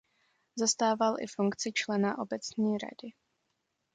Zastával i funkci člena obecní rady.